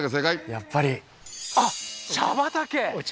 やっぱりあっ茶畑お茶